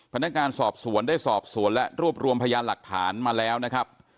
พนักงานสอบสวนได้สอบสวนและรวบรวมพยานหลักฐานมาแล้วนะครับ